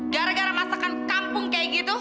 gara gara masakan kampung kayak gitu